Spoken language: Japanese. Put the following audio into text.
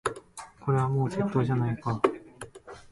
これはもう窃盗じゃないか。